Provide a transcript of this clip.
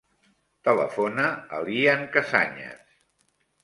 Telefona a l'Ian Casañas.